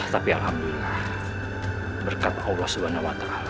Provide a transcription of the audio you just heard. tapi alhamdulillah berkat allah swt